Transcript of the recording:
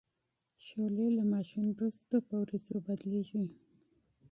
شولې له ماشین وروسته په وریجو بدلیږي.